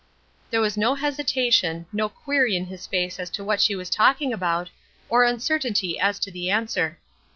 There was no hesitation, no query in his face as to what she was talking about, or uncertainty as to the answer.